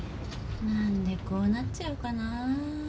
なんでこうなっちゃうかな。